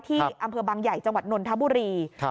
ที่อำเภอบางใหญ่จังหวัดนนทบุรี